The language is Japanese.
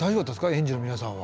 園児の皆さんは。